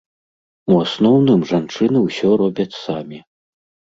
У асноўным жанчыны ўсё робяць самі.